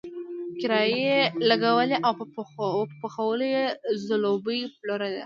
کرایي یې لګولی او په پخولو یې ځلوبۍ پلورلې.